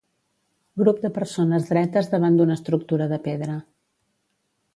Grup de persones dretes davant d'una estructura de pedra.